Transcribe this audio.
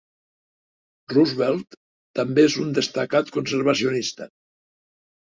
Roosevelt també és un destacat conservacionista.